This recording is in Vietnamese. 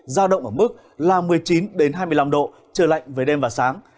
giao động ở mức là một mươi chín hai mươi năm độ trời lạnh về đêm và sáng